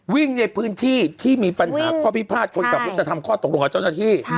วิ่งในพื้นที่ที่มีปัญหาข้อพิพาทคนขับรถจะทำข้อตกลงกับเจ้าหน้าที่